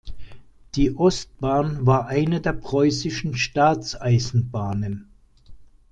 Die Ostbahn war eine der Preußischen Staatseisenbahnen.